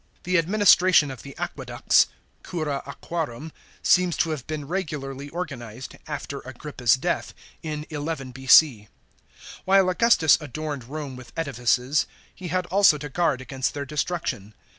* The administration of the aqueducts (euro, aquarum) seems to have been regularly organised, after Agrippa's death, in 11 B.C. While Augustus adorned Rome with edifices, he had also to guard against their destruction.